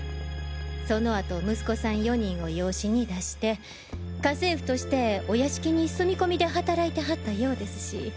その後息子さん４人を養子に出して家政婦としてお屋敷に住み込みで働いてはったようですし。